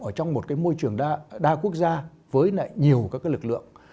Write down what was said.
ở trong một cái môi trường đa quốc gia với lại nhiều các cái lực lượng